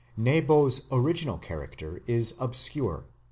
Nebo's original character is obscure.